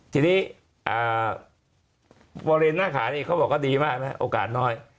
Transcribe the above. ทีนี้บริเวณหน้าขานี่เขาบอกว่าดีมากนะโอกาสน้อย